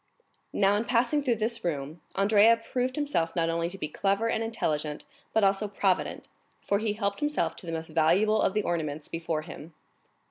22 Now, in passing through this room, Andrea proved himself not only to be clever and intelligent, but also provident, for he helped himself to the most valuable of the ornaments before him.